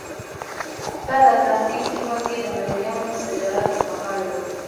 دا د اتلانتیک سیمه کې د مریانو تجارت پرمهال وه.